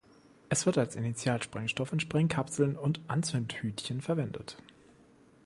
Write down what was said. Es wird als Initialsprengstoff in Sprengkapseln und Anzündhütchen verwendet.